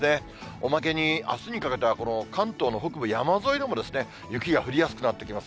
おまけにあすにかけては、この関東の北部山沿いでも雪が降りやすくなってきます。